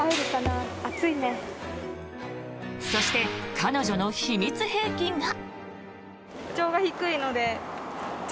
そして、彼女の秘密兵器が。